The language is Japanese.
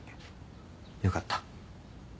よかった。